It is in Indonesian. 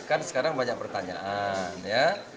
kan sekarang banyak pertanyaan ya